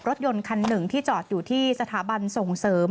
รถยนต์คันหนึ่งที่จอดอยู่ที่สถาบันส่งเสริม